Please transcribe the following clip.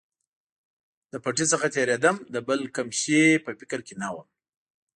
له پټۍ څخه تېرېدم، د بل کوم شي په فکر کې نه ووم.